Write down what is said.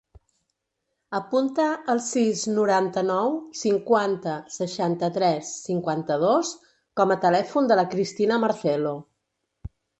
Apunta el sis, noranta-nou, cinquanta, seixanta-tres, cinquanta-dos com a telèfon de la Cristina Marcelo.